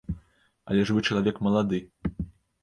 Але ж вы чалавек малады.